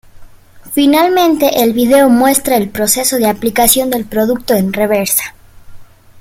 Finalmente, el video muestra el proceso de aplicación del producto en reversa.